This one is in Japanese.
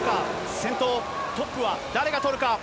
先頭、トップは誰が取るか。